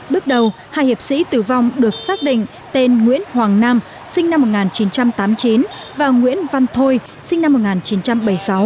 bước đầu hai hiệp sĩ tử vong được xác định tên nguyễn hoàng nam sinh năm một nghìn chín trăm tám mươi chín và nguyễn văn thôi sinh năm một nghìn chín trăm bảy mươi sáu